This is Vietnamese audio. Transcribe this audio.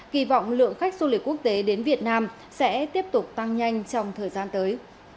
kỳ vọng lượng khách du lịch quốc tế đến việt nam sẽ tiếp tục tăng nhanh trong thời gian tới